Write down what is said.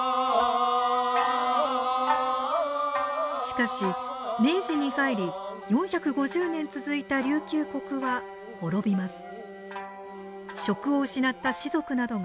しかし明治に入り４５０年続いた琉球国は滅びます。